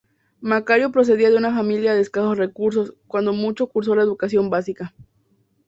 Macario procedía de una familia de escasos recursos, cuando mucho cursó la educación básica.